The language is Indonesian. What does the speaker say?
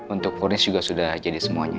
untuk fornis juga sudah jadi semuanya